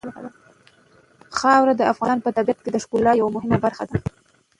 خاوره د افغانستان د طبیعت د ښکلا یوه مهمه برخه ده.